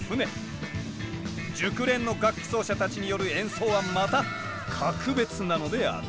熟練の楽器奏者たちによる演奏はまた格別なのである。